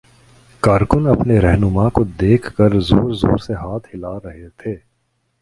کارکن اپنے راہنما کو دیکھ کر زور زور سے ہاتھ ہلا رہے تھے۔